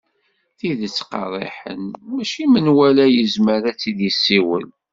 Tidet qerriḥen mačči menwala yezmer a tt-id-yessiwel.